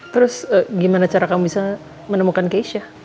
terus gimana cara kamu bisa menemukan keisha